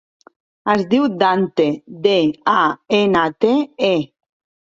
Es diu Dante: de, a, ena, te, e.